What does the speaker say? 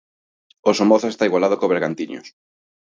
O Somozas está igualado co Bergantiños.